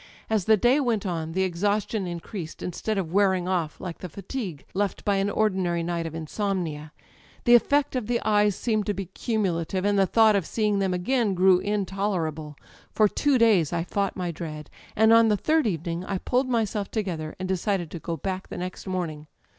As the day went on the exhaustion increased, instead of wearing off like the fatigue left by an ordinary night of insonmia: the effect of the eyes seemed to be cumulative, and the thought of seeing them again grew intolerable. For two days I fought my dread; and on the third evening I pulled myself together and decided to go back the next morning.